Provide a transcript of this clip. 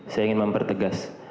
saya ingin mempertegas